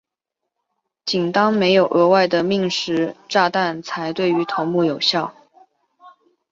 仅当没有额外的命时炸弹才对于头目有效。